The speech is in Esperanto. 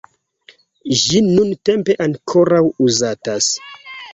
Ĝi nuntempe ankoraŭ uzatas.